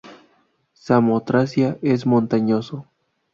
Samotracia es montañoso.